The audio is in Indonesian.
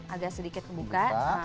agak sedikit kebuka